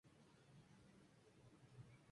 Se encuentra en el Japón y Australia Occidental.